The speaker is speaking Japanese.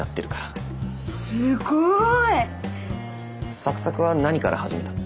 すごい！サクサクは何から始めたの？